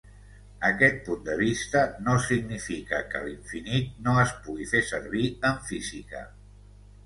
Aquest punt de vista no significa que l'infinit no es pugui fer servir en física.